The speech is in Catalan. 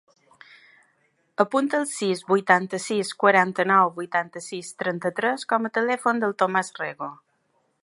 Apunta el sis, vuitanta-sis, quaranta-nou, vuitanta-sis, trenta-tres com a telèfon del Thomas Rego.